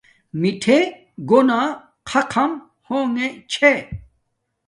مِٹھݺ گَنَݳ خَخَم ہݸݣݺ چھݺ.